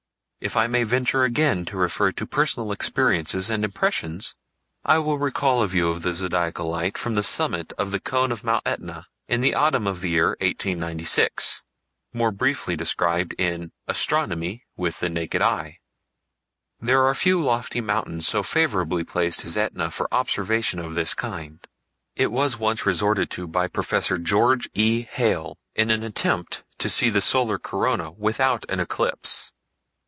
If I may venture again to refer to personal experiences and impressions, I will recall a view of the Zodiacal Light from the summit of the cone of Mt Etna in the autumn of the year 1896 (more briefly described in Astronomy with the Naked Eye). There are few lofty mountains so favorably placed as Etna for observations of this kind. It was once resorted to by Prof. George E. Hale, in an attempt to see the solar corona without an eclipse.